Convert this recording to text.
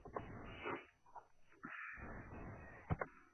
Otro factor que dificulta la transferencia de calor es la viscosidad.